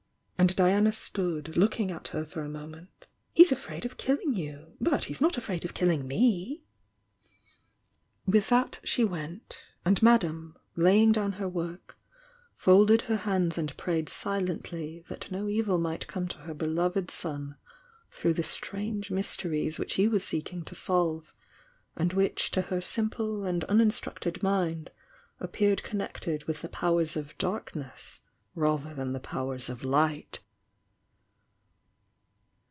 and Diana stood, looking at her for a moment, "He's afraid of killing you! But he's not afraid of killing me!" li 250 THE YOUNG DIANA w ■ I With that she went, — and Madame, laying down her work, folded her hands and prayed silently that no e" il might come to her beloved' son through the strange mysteries which he was seeking to solve, and which to her simple and uninstructed mind appeared connected with the powers of darkness rather than the powers of light.